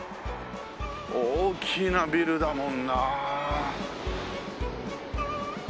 大きなビルだもんな。